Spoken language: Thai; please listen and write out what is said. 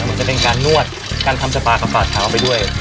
เหมือนจะเป็นการนวดการทำสปากับฝาดเท้าไปด้วย